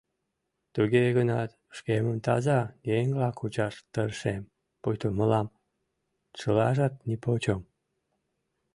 Туге гынат шкемым таза еҥла кучаш тыршем, пуйто мылам чылажат нипочём!